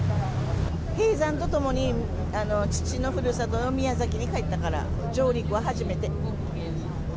閉山とともに、父のふるさとの宮崎に帰ったから、上陸は初めて。